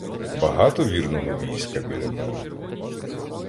Багато вірного війська біля мене?